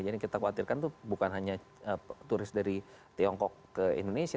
jadi kita khawatirkan itu bukan hanya turis dari tiongkok ke indonesia